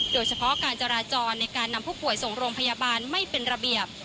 โดยเฉพาะการจราจรในการนำผู้ป่วยส่งโรงพยาบาลไม่เป็นระเบียบ